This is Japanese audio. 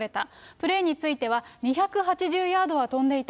プレーについては２８０ヤードは飛んでいた。